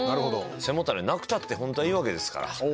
背もたれなくたって本当はいいわけですから。